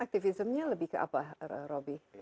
aktivismenya lebih ke apa robby